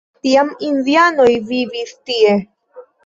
Tiam indianoj vivis tie.